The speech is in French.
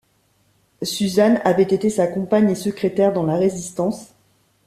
Suzanne avait été sa compagne et secrétaire dans la Résistance.